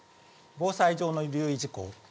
防災上の留意事項。